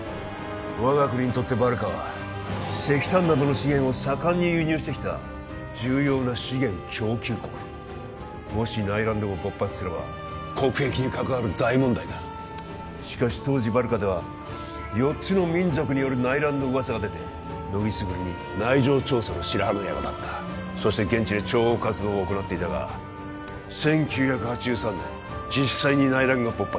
我が国にとってバルカは石炭などの資源を盛んに輸入してきた重要な資源供給国もし内乱でも勃発すれば国益に関わる大問題だしかし当時バルカでは４つの民族による内乱の噂が出て乃木卓に内情調査の白羽の矢が立ったそして現地で諜報活動を行っていたが１９８３年実際に内乱が勃発